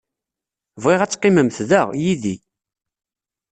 Bɣiɣ ad teqqimemt da, yid-i.